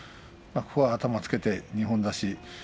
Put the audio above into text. ここは頭をつけて二本差し。